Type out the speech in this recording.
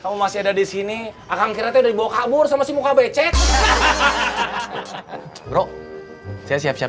kamu masih ada di sini akan kira udah dibawa kabur sama si muka becek bro saya siap siap